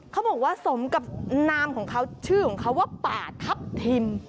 เขาบอกว่าสมกับชื่อของเขาว่าป่าถับถิ่ม